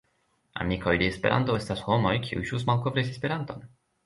Amikoj de Esperanto estas homoj, kiuj ĵus malkovris Esperanton.